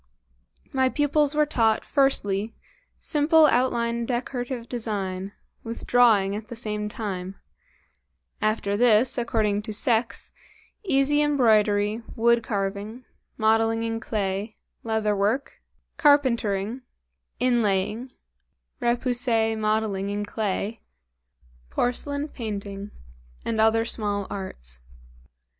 My pupils were taught, firstly, simple outline decorative design with drawing at the same time; after this, according to sex, easy embroidery, wood carving, modeling in clay, leather work, carpentering, inlaying, repoussé modeling in clay, porcelain painting, and other small arts.